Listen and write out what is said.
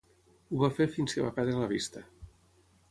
Ho va fer fins que va perdre la vista.